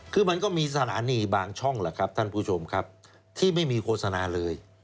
คือมันก็มีสถานีบางช่องแหละครับท่านผู้ชมครับที่ไม่มีโฆษณาเลย